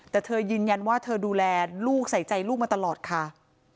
แต่เธอยืนยันว่าเธอดูแลลูกใส่ใจลูกมาตลอดค่ะ